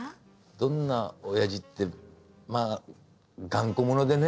どんなおやじってまあ頑固者でね。